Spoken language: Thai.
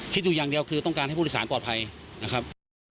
อยู่อย่างเดียวคือต้องการให้ผู้โดยสารปลอดภัยนะครับ